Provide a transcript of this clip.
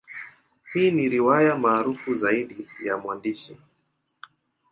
Hii ni riwaya maarufu zaidi ya mwandishi.